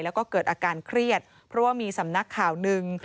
แล้วก็เกิดอาการเครียดเพราะว่ามีสำนักข่าวหนึ่ง